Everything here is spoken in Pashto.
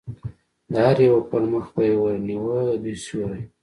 د هر یوه پر مخ به یې ور نیوه، د دوی سیوری.